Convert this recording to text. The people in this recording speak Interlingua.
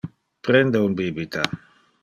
Prende un bibita.